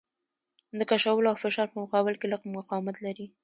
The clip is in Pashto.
د کشولو او فشار په مقابل کې لږ مقاومت لري.